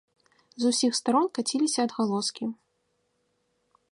З усіх старон каціліся адгалоскі.